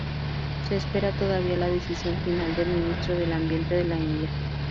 Se espera todavía la decisión final del Ministro del Ambiente de la India.